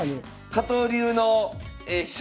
加藤流の飛車